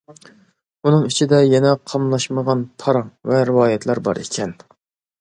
ئۇنىڭ ئىچىدە يەنە قاملاشمىغان پاراڭ ۋە رىۋايەتلەر بار ئىكەن.